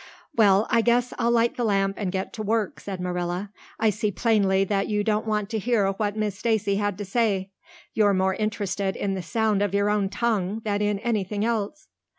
"Well, I guess I'll light the lamp and get to work," said Marilla. "I see plainly that you don't want to hear what Miss Stacy had to say. You're more interested in the sound of your own tongue than in anything else."